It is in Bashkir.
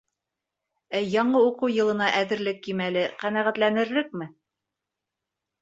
— Ә яңы уҡыу йылына әҙерлек кимәле ҡәнәғәтләнерлекме?